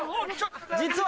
実は。